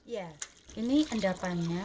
ya ini endapannya